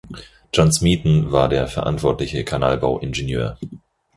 John Smeaton war der verantwortliche Kanalbau-Ingenieur.